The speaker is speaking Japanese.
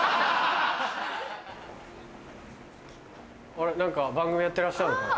あら何か番組やってらっしゃるのかな？